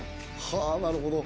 はぁなるほど。